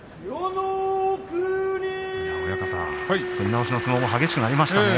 取り直しの相撲も激しくなりましたね。